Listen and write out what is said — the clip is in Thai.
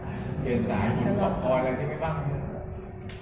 เกิดสาหรือหลับคอยอะไรใช่ไหมบ้าง